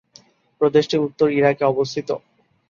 প্রদেশটি উত্তর ইরাকে অবস্থিত।